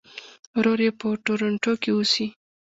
ورور یې په ټورنټو کې اوسي.